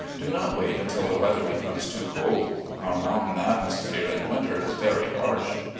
Do not wait until the weather becomes too cold. Our mountain atmosphere in winter is very harsh.